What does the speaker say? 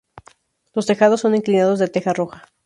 Los tejados son inclinados de teja roja.